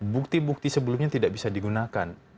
bukti bukti sebelumnya tidak bisa digunakan